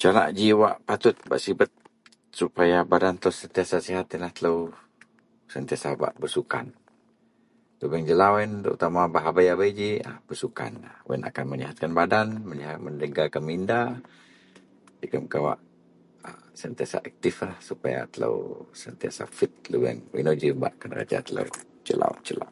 Jalak ji wak patut bak sibet supaya badan telou sentiasa sihat yenlah telou sentiasa bak bersukan. Lubeang jelau yen terutama en bah abei-abei ji bersukan ah eyen akan menyihatkan badan, menyegarkan minda jegem kawak sentiasa aktif supaya telou fit lubeang wak inou-inou ji bak kenereja telou jelau-jelau